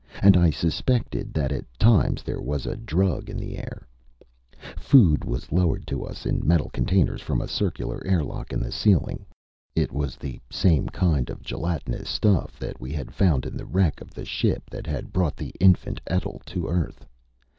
And I suspected that at times there was a drug in the air. Food was lowered to us in metal containers from a circular airlock in the ceiling. It was the same kind of gelatinous stuff that we had found in the wreck of the ship that had brought the infant Etl to Earth.